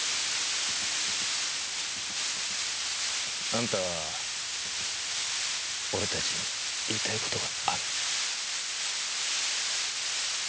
あんたは俺たちに言いたい事がある。